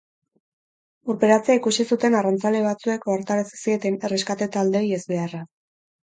Urperatzea ikusi zuten arrantzale batzuek ohartarazi zieten erreskate taldeei ezbeharraz.